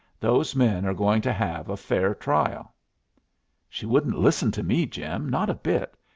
Those men are going to have a fair trial." "She wouldn't listen to me, Jim, not a bit.